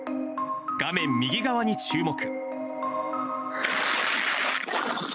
画面右側に注目。